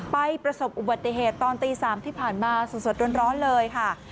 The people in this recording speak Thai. ประสบอุบัติเหตุตอนตี๓ที่ผ่านมาสดร้อนเลยค่ะ